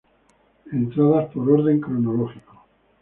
Entradas por orden cronológico.